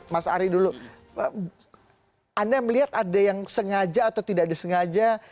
mas ari dulu anda melihat ada yang sengaja atau tidak disengaja